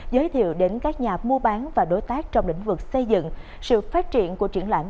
giới thiệu đến các nhà mua bán và đối tác trong lĩnh vực xây dựng sự phát triển của triển lãm